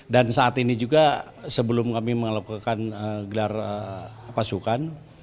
dan saat ini juga sebelum kami melakukan gelar pasukan